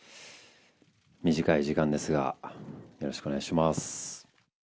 短い時間ですが、よろしくお願いします。